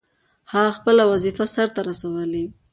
هغه خپله وظیفه سرته رسولې.